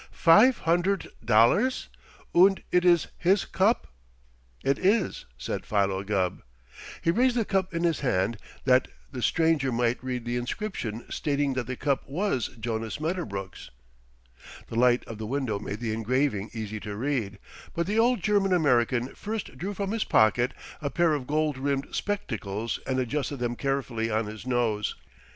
"Fife hunderdt dollars? Und it is his cup?" "It is," said Philo Gubb. He raised the cup in his hand that the stranger might read the inscription stating that the cup was Jonas Medderbrook's. The light of the window made the engraving easy to read, but the old German American first drew from his pocket a pair of gold rimmed spectacles and adjusted them carefully on his nose.